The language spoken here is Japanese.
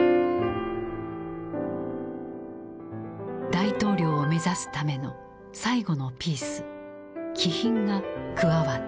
大統領を目指すための最後のピース気品が加わった。